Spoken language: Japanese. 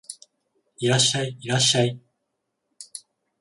いらっしゃい、いらっしゃい